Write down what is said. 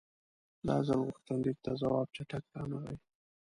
دا ځل غوښتنلیک ته ځواب چټک رانغی.